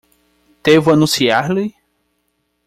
Devo anunciar-lhe?